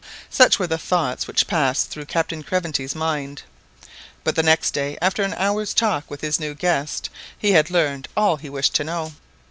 Such were the thoughts which passed through Captain Craventy's mind. But the next day, after an hour's talk with his new guest, he had learned all he wished to know.